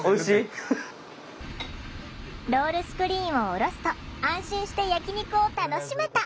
ロールスクリーンを下ろすと安心して焼き肉を楽しめた！